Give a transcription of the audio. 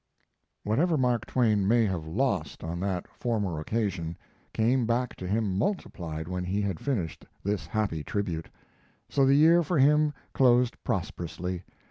Whatever Mark Twain may have lost on that former occasion, came back to him multiplied when he had finished this happy tribute. So the year for him closed prosperously.